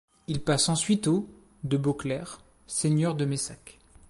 Il passe ensuite aux de Beauclair, seigneurs de Messac.